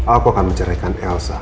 aku akan mencerahkan elsa